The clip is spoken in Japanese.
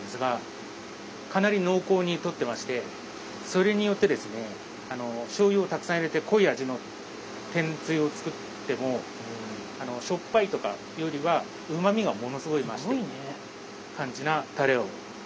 それによってですねしょうゆをたくさん入れて濃い味の天つゆを作ってもしょっぱいとかっていうよりはうま味がものすごい増してる感じなたれを作ってますね。